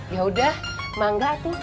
yaudah mangga tuh